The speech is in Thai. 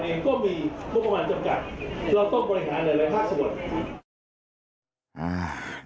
เราต้องบริหารหลายภาคสมุด